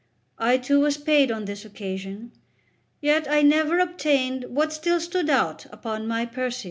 I too was paid on this occasion, yet I never obtained what still stood out upon my Perseus.